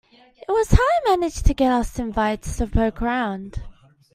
It was how I managed to get us invites to poke around.